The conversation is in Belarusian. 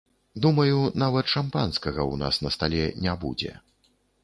Думаю, нават шампанскага ў нас на стале не будзе.